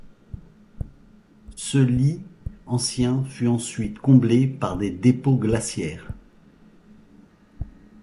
Ce lit ancien fut ensuite comblé par des dépôts glaciaires.